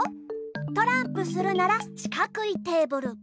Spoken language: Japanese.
トランプするならしかくいテーブル。